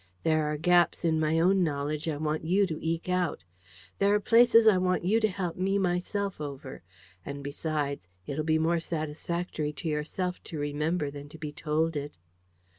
There are gaps in my own knowledge I want you to eke out. There are places I want you to help me myself over. And besides, it'll be more satisfactory to yourself to remember than to be told it."